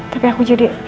tapi aku jadi